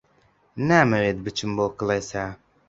نامەوێت بچم بۆ کڵێسا.